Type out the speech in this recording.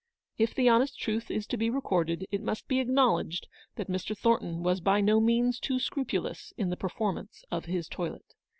If the honest truth is to be recorded, it must be acknowledged that Mr. Thornton was by no means too scrupulous in the performance of his toilet.